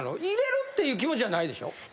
入れるっていう気持ちじゃないでしょ？